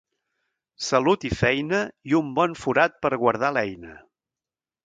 Salut i feina, i un bon forat per guardar l'eina.